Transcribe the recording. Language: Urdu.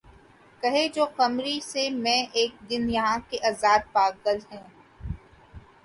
کہا جو قمری سے میں نے اک دن یہاں کے آزاد پاگل ہیں